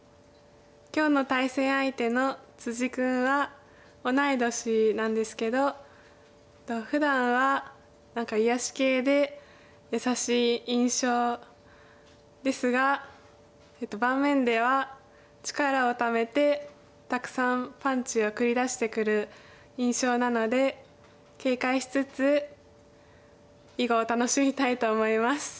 今日の対戦相手の君は同い年なんですけど。ふだんは何か癒やし系で優しい印象ですが盤面では力をためてたくさんパンチを繰り出してくる印象なので警戒しつつ囲碁を楽しみたいと思います。